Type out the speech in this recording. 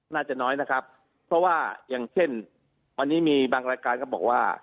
น่าจะน้อยนะครับเพราะว่าอย่างเช่นวันนี้มีบางรายการก็บอกว่า